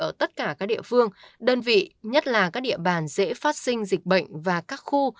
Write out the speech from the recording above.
ở tất cả các địa phương đơn vị nhất là các địa bàn dễ phát sinh dịch bệnh và các khu